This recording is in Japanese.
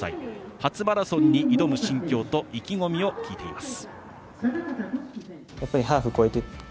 初マラソンに挑む心境と意気込みを聞いています。